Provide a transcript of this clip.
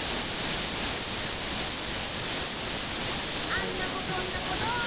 「あんな子こんな子どんな子？